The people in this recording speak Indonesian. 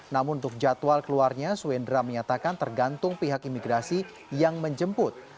namun untuk jadwal keluarnya suendra menyatakan tergantung pihak imigrasi yang menjemput